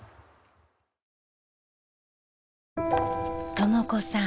［とも子さん